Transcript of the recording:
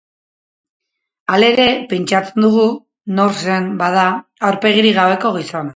Halere, pentsatzen dugu, nor zen, bada, aurpegirik gabeko gizona?